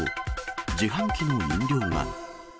自販機の飲料が。